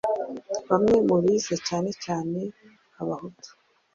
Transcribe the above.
bamwe mu bize cyane cyane Abahutu,